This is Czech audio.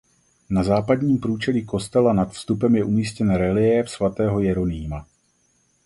Na západním průčelí kostela nad vstupem je umístěn reliéf svatého Jeronýma.